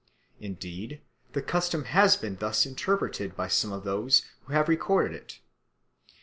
Indeed the custom has been thus interpreted by some of those who have recorded it.